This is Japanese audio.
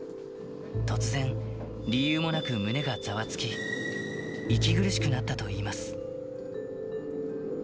突然、理由もなく胸がざわつき、息苦しくなったといいます。